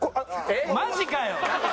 マジかよ！